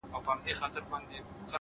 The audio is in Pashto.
• په څه سپک نظر به گوري زموږ پر لوري,